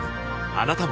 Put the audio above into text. あなたも